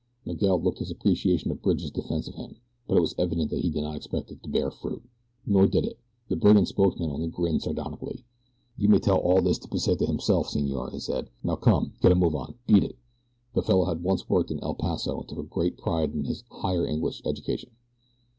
Miguel looked his appreciation of Bridge's defense of him; but it was evident that he did not expect it to bear fruit. Nor did it. The brigand spokesman only grinned sardonically. "You may tell all this to Pesita himself, senor," he said. "Now come get a move on beat it!" The fellow had once worked in El Paso and took great pride in his "higher English" education.